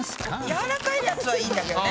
やわらかいやつはいいんだけどね。